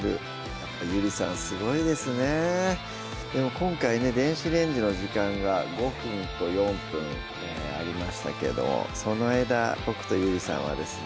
やっぱゆりさんすごいですねでも今回ね電子レンジの時間が５分と４分ありましたけどその間ボクとゆりさんはですね